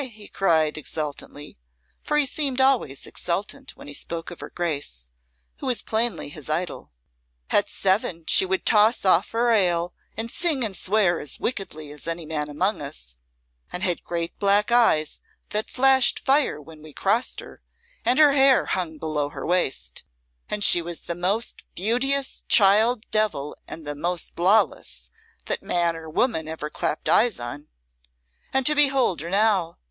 he cried, exultantly, for he seemed always exultant when he spoke of her Grace, who was plainly his idol. "At seven she would toss off her ale, and sing and swear as wickedly as any man among us, and had great black eyes that flashed fire when we crossed her, and her hair hung below her waist, and she was the most beauteous child devil and the most lawless, that man or woman ever clapt eyes on. And to behold her now!